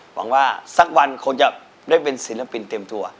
หวังว่าสักวันคงจะได้เป็นศิลปินเต็มตัว